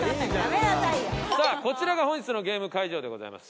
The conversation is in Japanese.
さあこちらが本日のゲーム会場でございます。